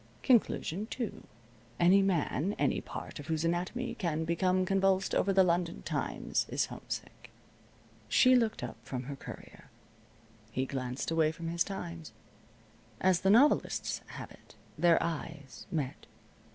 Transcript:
Conclusion two: Any man, any part of whose anatomy can become convulsed over the London Times is homesick. She looked up from her Courier. He glanced away from his Times. As the novelists have it, their eyes met.